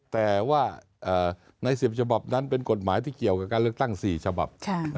แต่ว่าใน๑๐ฉบับนั้นเป็นกฎหมายที่เกี่ยวกับการเลือกตั้ง๔ฉบับ